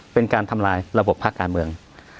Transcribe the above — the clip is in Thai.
เป็นการทำลายระบบภาคการเมือง